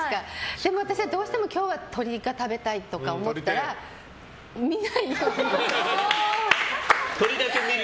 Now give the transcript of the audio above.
でも私はどうしても今日は鶏が食べたいとか思ったら見ないようにしてる。